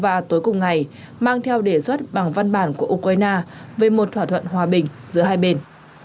và tối cùng ngày mang theo đề xuất bằng văn bản của ukraine về một thỏa thuận hòa bình giữa hai bên